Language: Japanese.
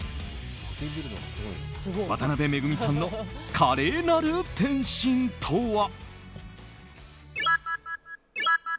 渡辺めぐみさんの華麗なる転身とは。